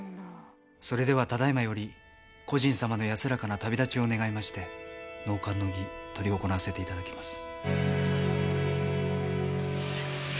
それではただ今より故人様の安らかな旅立ちを願いまして納棺の儀執り行わせて頂きます。